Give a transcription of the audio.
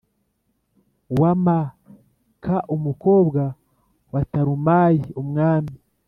wa M ka umukobwa wa Talumayi umwami